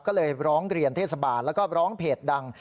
ก็เลยร้องเรียนเทศบาลแล้วก็ร้องเพจดัง